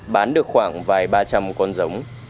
bán được khoảng vài ba trăm linh con giống